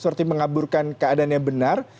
seperti mengaburkan keadaan yang benar